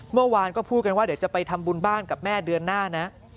เมื่อวานก็พูดกันว่าเดี๋ยวจะไปทำบุญบ้านกับแม่เดือนหน้านะ